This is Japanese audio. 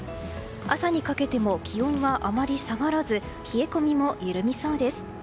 朝にかけても気温はあまり下がらず冷え込みも緩みそうです。